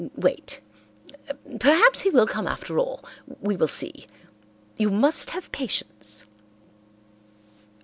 Wait. Perhaps he will come after all—we will see. You must have patience."